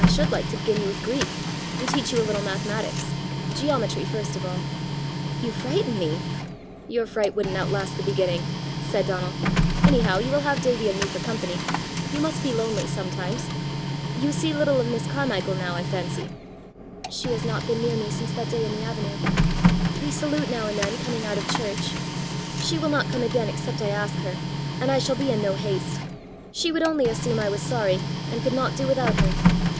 "I should like to begin you with Greek, and teach you a little mathematics geometry first of all." "You frighten me!" "Your fright wouldn't outlast the beginning," said Donal. "Anyhow, you will have Davie and me for company! You must be lonely sometimes! You see little of Miss Carmichael now, I fancy." "She has not been near me since that day in the avenue! We salute now and then coming out of church. She will not come again except I ask her; and I shall be in no haste: she would only assume I was sorry, and could not do without her!"